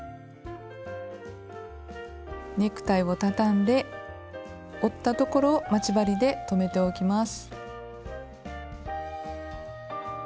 ネクタイをたたんで折ったところを待ち針で留めておきます。